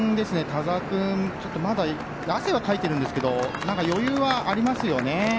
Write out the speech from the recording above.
田澤君汗はかいているんですけど余裕はありますよね。